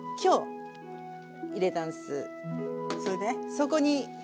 そこに。